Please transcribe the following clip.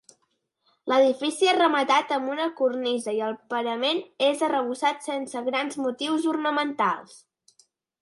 L'edifici és rematat amb una cornisa i el parament és arrebossat sense grans motius ornamentals.